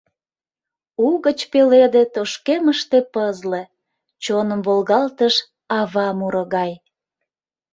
Угыч пеледе тошкемыште пызле, чоным волгалтыш ава муро гай.